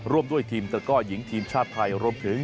ร่วมด้วยทีมตะก้อหญิงทีมชาติไทยรวมถึง